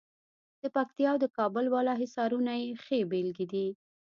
د پکتیا او د کابل بالا حصارونه یې ښې بېلګې دي.